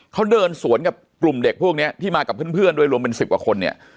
เขาเดินสวนกับกลุ่มเด็กพวกนี้ที่มากับเพื่อนด้วยรวมเป็น๑๐กว่าคนเนี่ย